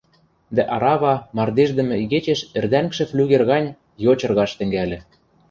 Дӓ арава, мардеждӹмӹ игечеш ӹрдӓнгшӹ флюгер гань, йочыргаш тӹнгӓльӹ.